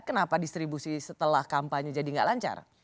kenapa distribusi setelah kampanye jadi nggak lancar